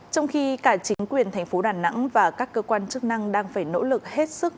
trong khi cả chính quyền thành phố đà nẵng và các cơ quan chức năng đang phải nỗ lực hết sức